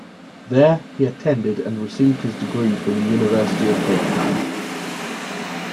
There he attended and received his degree from the University of Cape Town.